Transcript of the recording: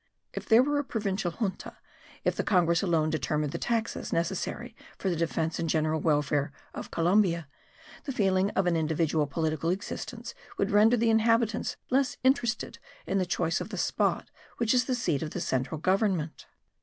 If there were a provincial junta, if the congress alone determined the taxes necessary for the defence and general welfare of Columbia, the feeling of an individual political existence would render the inhabitants less interested in the choice of the spot which is the seat of the central government.